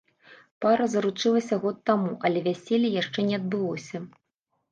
Пара заручылася год таму, але вяселле яшчэ не адбылося.